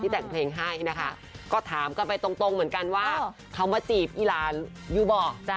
แต่งเพลงให้นะคะก็ถามกันไปตรงเหมือนกันว่าเขามาจีบอีหลานยูบอก